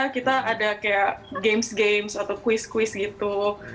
kita ada kayak games games atau quiz quiz gitu